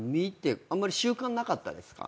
あんまり習慣なかったですか？